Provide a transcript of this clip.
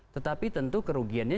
tetapi tentu kerugiannya